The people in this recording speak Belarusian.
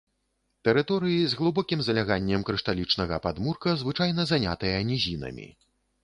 Тэрыторыі з глыбокім заляганнем крышталічнага падмурка звычайна занятыя нізінамі.